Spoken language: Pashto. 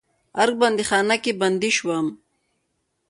ارګ په بندیخانه کې بندي شوم.